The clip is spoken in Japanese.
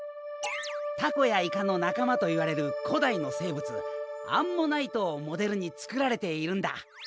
タコやイカの仲間といわれる古代の生物アンモナイトをモデルに作られているんだ。